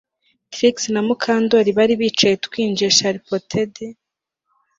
Trix na Mukandoli bari bicaye twinjiye Sharptoothed